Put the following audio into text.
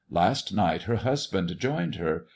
Last night her husband joined her.